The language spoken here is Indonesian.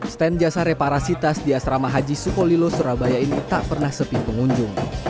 stand jasa reparasi tas di asrama haji sukolilo surabaya ini tak pernah sepi pengunjung